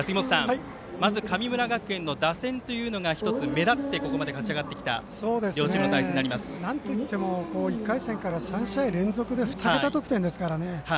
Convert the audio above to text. まず神村学園の打線というのが１つ目立って、ここまで勝ちあがってきたなんといっても１回戦から３試合連続で２桁得点ですから。